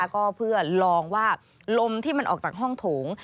ก็เพื่อลองว่าลมที่มันออกจากห้องโถง